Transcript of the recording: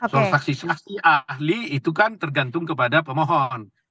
soal saksi saksi ahli itu kan tergantung kepada pemohon